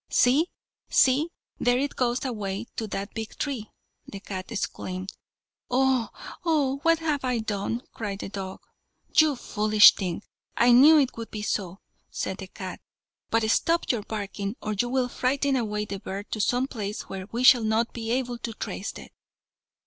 "See, see, there it goes away to that big tree," the cat exclaimed. "Oh! oh! what have I done?" cried the dog. "You foolish thing, I knew it would be so," said the cat. "But stop your barking, or you will frighten away the bird to some place where we shall not be able to trace it."